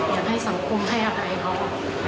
อยากให้สังคมให้อภัยเขา